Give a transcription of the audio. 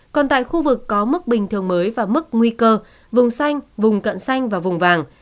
còn tại khu vực có mức bình thường mới và mức nguy cơ vùng xanh vùng cận xanh và vùng vàng